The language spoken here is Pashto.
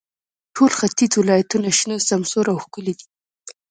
ټول ختیځ ولایتونو شنه، سمسور او ښکلي دي.